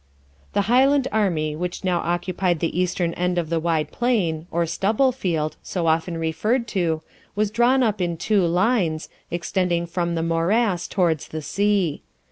The Highland army, which now occupied the eastern end of the wide plain, or stubble field, so often referred to, was drawn up in two lines, extending from the morass towards the sea.